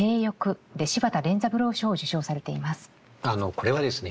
これはですね